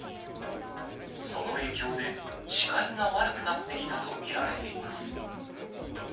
その影響で、視界が悪くなっていたと見られています。